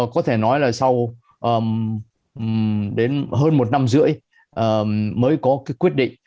có thể nói là sau đến hơn một năm rưỡi mới có cái quyết định